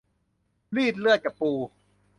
รีดเลือดกับปู